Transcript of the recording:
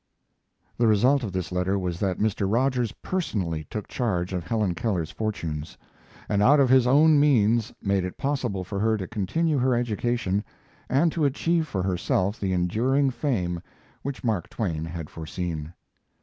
The result of this letter was that Mr. Rogers personally took charge of Helen Keller's fortunes, and out of his own means made it possible for her to continue her education and to achieve for herself the enduring fame which Mark Twain had foreseen.